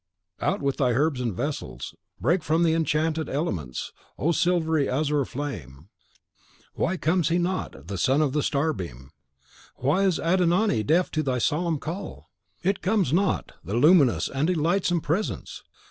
Out with thy herbs and vessels. Break from the enchanted elements, O silvery azure flame! Why comes he not, the Son of the Starbeam! Why is Adon Ai deaf to thy solemn call? It comes not, the luminous and delightsome Presence!